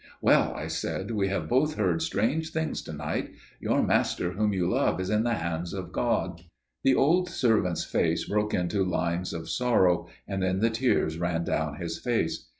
"Well," I said, "we have both heard strange things to night. Your master whom you love is in the hands of God." The old servant's face broke into lines of sorrow; and then the tears ran down his face.